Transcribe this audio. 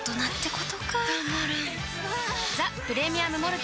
あーっ「ザ・プレミアム・モルツ」